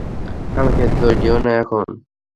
আমাকে দোষ দিও না এখন।